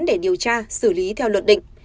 để điều tra xử lý theo luật định